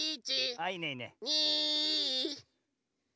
ああいいねいいね。